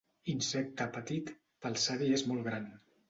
Insecte petit, pel savi és molt gran.